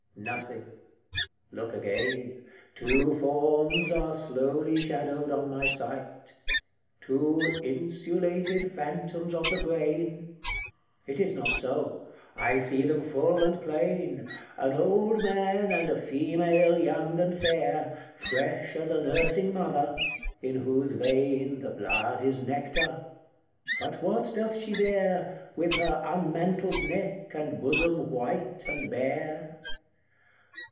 Nothing: Look again! Two forms are slowly shadowed on my sight Two insulated phantoms of the brain: It is not so: I see them full and plain An old man, and a female young and fair, Fresh as a nursing mother, in whose vein The blood is nectar: but what doth she there, With her unmantled neck, and bosom white and bare?